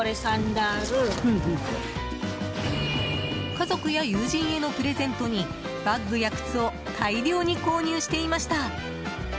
家族や友人へのプレゼントにバッグや靴を大量に購入していました。